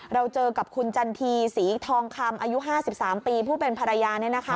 เราเจอกับคุณจันทีศรีทองคำอายุ๕๓ปีผู้เป็นภรรยา